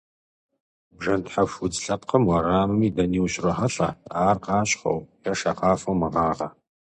Бжэнтхьэху удз лъэпкъым уэрамым дэни ущрохьэлӏэ, ар къащхъуэу е шакъафэу мэгъагъэ.